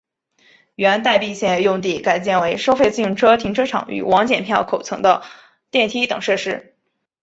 原待避线用地改建为收费自行车停车场与往剪票口层的电梯等设施。